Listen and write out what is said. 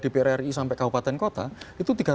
di prri sampai kabupaten kota itu